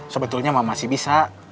sebetulnya mam masih bisa